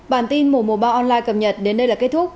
bản tin mùa mùa ba online cập nhật đến đây là kết thúc